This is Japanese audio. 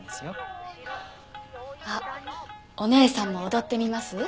あっお姉さんも踊ってみます？